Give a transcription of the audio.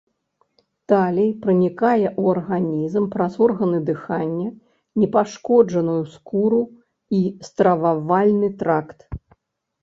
Талій пранікае ў арганізм праз органы дыхання, непашкоджаную скуру і стрававальны тракт.